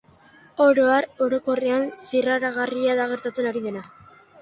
Oro har, Orokorrean, zirraragarria da gertatzen ari dena.